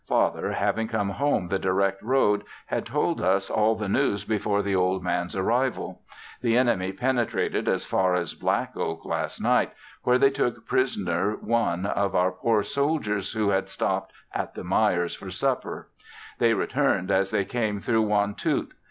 Father having come home the direct road had told us all the news before the old man's arrival. The enemy penetrated as far as Black Oak last night where they took prisoner one of our poor soldiers who had stopped at the Myers' for supper. They returned as they came through Wantoot.